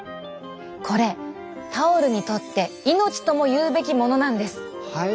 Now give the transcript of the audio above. これタオルにとって命ともいうべきものなんです！